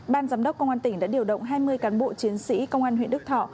ban giám đốc công an tỉnh đã điều động hai mươi cán bộ chiến sĩ công an huyện đức thọ